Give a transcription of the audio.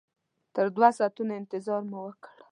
تر دوو ساعتونو انتظار مو وکړ.